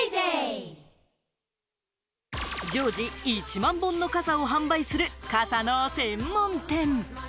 常時１万本の傘を販売する傘の専門店。